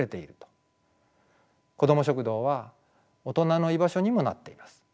こども食堂は大人の居場所にもなっています。